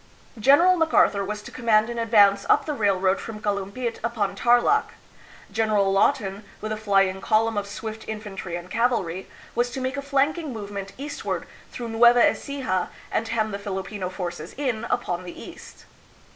General MacArthur was to command an advance up the railroad from Kalumpit upon Tarlak; General Lawton, with a flying column of swift infantry and cavalry, was to make a flanking movement eastward through Nueva Ecija and hem the Filipino forces in upon the east.